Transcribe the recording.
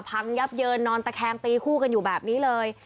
พังยับเยินนอนตะแคงตีคู่กันอยู่แบบนี้เลย